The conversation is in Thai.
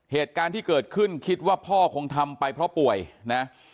เหตุการณ์ที่เกิดขึ้นคิดว่าพ่อคงทำไปเพราะป่วยนะ